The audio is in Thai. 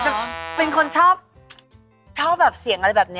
จะเป็นคนชอบชอบแบบเสียงอะไรแบบนี้